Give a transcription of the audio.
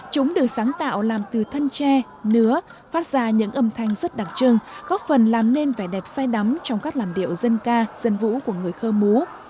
chúng được sáng tạo làm từ thân tre nứa phát ra những âm thanh rất đặc trưng góp phần làm nên vẻ đẹp say đắm trong các làm điệu dân ca dân quốc